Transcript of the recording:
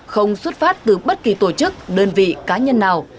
không xuất phát từ bất kỳ tổ chức đơn vị cá nhân nào